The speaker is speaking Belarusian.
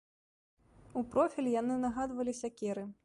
У профіль яны нагадвалі сякеры.